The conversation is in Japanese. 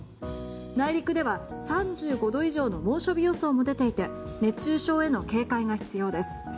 内陸では３５度以上の猛暑日予想も出ていて熱中症への警戒が必要です。